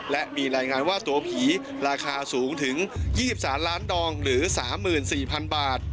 และมีรายงานว่าตัวผีราคาสูงถึง๒๓ล้านดองหรือ๓๔๐๐๐บาท